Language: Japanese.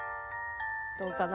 どうかな？